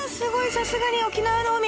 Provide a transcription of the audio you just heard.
さすがに沖縄の海。